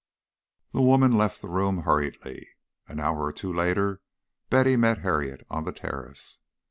The woman left the room hurriedly. An hour or two later Betty met Harriet on the terrace.